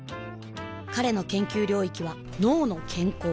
彼の研究領域は「脳の健康」